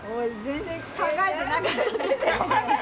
全然考えてなかったです。